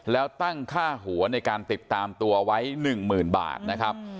แล้วตั้งค่าหัวในการติดตามตัวไว้๑๐๐๐บาทนะครับ